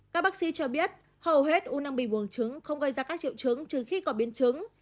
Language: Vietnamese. các bác sĩ cho biết hầu hết u năng bị buồn trứng không gây ra các triệu trứng trừ khi có biến trứng